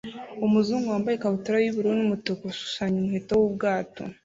Umuzungu wambaye ikabutura y'ubururu n'umutuku ushushanya umuheto w'ubwato